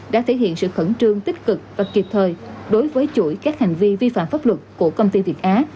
đã thể hiện sự khẩn trương tích cực và kịp thời đối với chuỗi các hành vi vi phạm pháp luật của công ty việt á